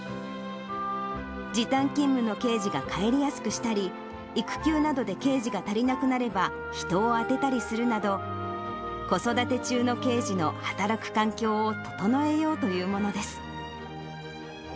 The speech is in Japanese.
時短勤務の刑事が帰りやすくしたり、育休などで刑事が足りなくなれば人を充てたりするなど、子育て中の刑事の働く環境を整えようというものです。